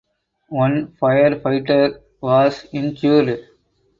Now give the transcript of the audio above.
One firefighter was injured.